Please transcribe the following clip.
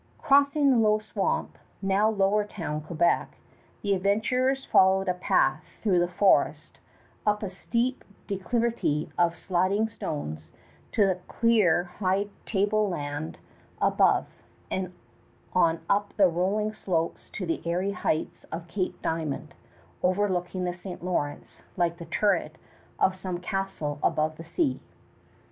Crossing the low swamp, now Lower Town, Quebec, the adventurers followed a path through the forest up a steep declivity of sliding stones to the clear high table land above, and on up the rolling slopes to the airy heights of Cape Diamond overlooking the St. Lawrence like the turret of some castle above the sea.